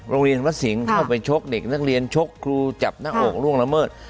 โรงเรียนวัดสิงห์เข้าไปชกเด็กนักเรียนชกครูจับหน้าอกล่วงละเมิด